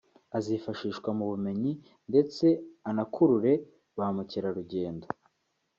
azifashishwa mu bumenyi ndetse anakurure ba mukerarugendo